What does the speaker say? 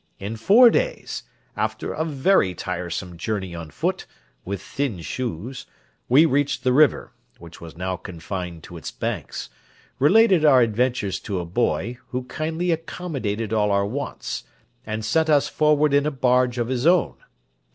In four days, after a very tiresome journey on foot, with thin shoes, we reached the river, which was now confined to its banks, related our adventures to a boy, who kindly accommodated all our wants, and sent us forward in a barge of his own.